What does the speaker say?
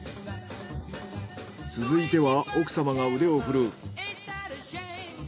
続いては奥様が腕を振るう。